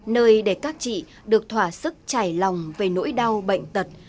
nơi để các chị được thỏa sức trải lòng về nỗi đau bệnh tật